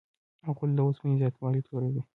غول د اوسپنې زیاتوالی توروي.